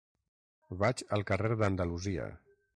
Vaig al carrer d'Andalusia.